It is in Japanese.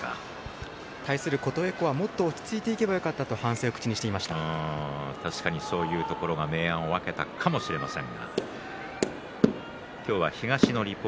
対する琴恵光はもっと落ち着いていけばよかったそういうところが明暗を分けたかもしれません。